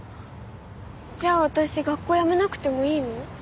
じゃあ私学校やめなくてもいいの？